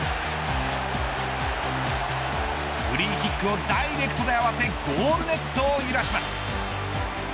フリーキックをダイレクトで合わせゴールネットを揺らします。